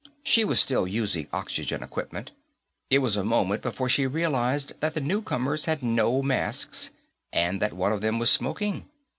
She was still using oxygen equipment; it was a moment before she realized that the newcomers had no masks, and that one of them was smoking.